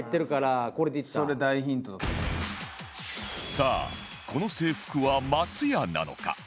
さあこの制服は松屋なのか？